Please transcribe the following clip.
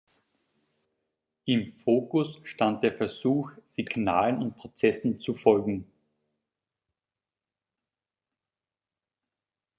Im Fokus stand der Versuch, Signalen und Prozessen zu folgen.